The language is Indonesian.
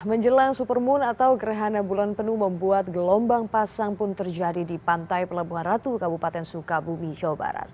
menjelang supermoon atau gerhana bulan penuh membuat gelombang pasang pun terjadi di pantai pelabuhan ratu kabupaten sukabumi jawa barat